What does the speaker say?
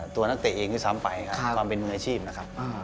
ตัวนักเตะเองด้วยซ้ำไปครับความเป็นมืออาชีพนะครับ